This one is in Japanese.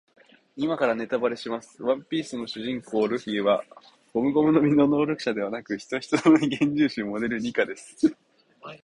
今からネタバレします。ワンピース主人公のルフィはゴムゴムの実の能力者ではなく、ヒトヒトの実幻獣種モデルニカです。